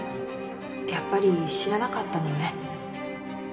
やっぱり知らなかったのね。